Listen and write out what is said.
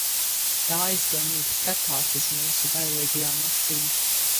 Tā aizdomīgi skatās uz mūsu bailīgajām acīm.